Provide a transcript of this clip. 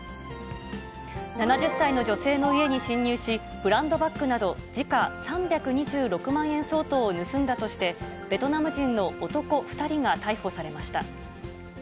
７０歳の女性の家に侵入し、ブランドバッグなど時価３２６万円相当を盗んだとして、ベトナム人の男２人が逮捕されました。